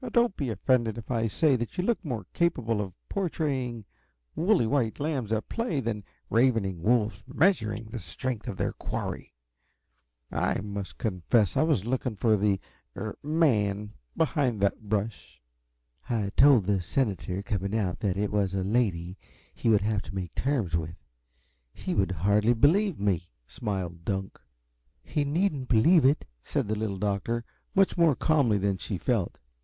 Don't be offended if I say that you look more capable of portraying woolly white lambs at play than ravening wolves measuring the strength of their quarry. I must confess I was looking for the er MAN behind that brush." "I told the senator coming out that it was a lady he would have to make terms with. He would hardly believe it," smiled Dunk. "He needn't believe it," said the Little Doctor, much more calmly than she felt.